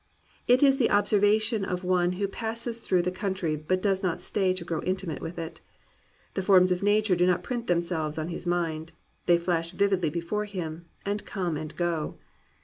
It is the ob servation of one who passes through the country but does not stay to grow intimate with it. The forms of nature do not print themselves on his mind; they flash vividly before him, and come and go.